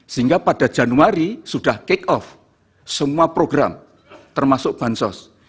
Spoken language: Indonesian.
sehingga pada januari sudah kick off semua program termasuk bansos